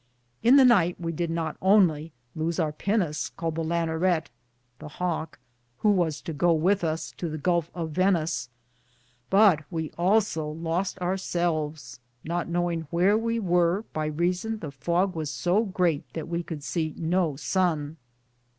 In the nyghte we did not only louse our pinis caled the Lanerett,^ who was to goo with us to the gulfe of Venis, but we also loste our selves, not knowinge whear we weare by Reason the fogge was so greate that we could se no son.